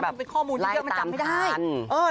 มันเป็นข้อมูลเยอะมันจำไม่ได้